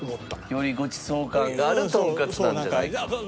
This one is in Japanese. よりごちそう感があるとんかつなんじゃないか。